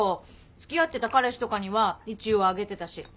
付き合ってた彼氏とかには一応あげてたし。